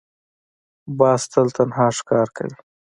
باز تل تنها ښکار کوي